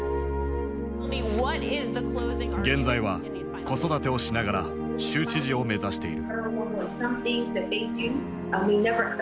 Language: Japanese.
現在は子育てをしながら州知事を目指している。